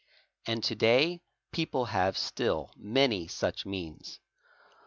And to day people have still many 4 sz means.